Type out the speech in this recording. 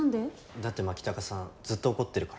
だって牧高さんずっと怒ってるから。